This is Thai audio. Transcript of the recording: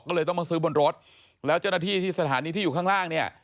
ก็เลยต้องมาซื้อบนรถแล้วเจ้าหน้าที่ที่สถานีที่อยู่ข้างล่างเนี่ย